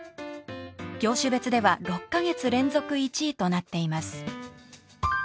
業種別では６か月連続１位となっています。